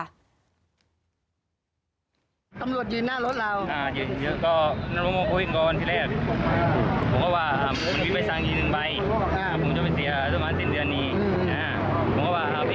ได้ยินเสียงเบคอย่างเดียว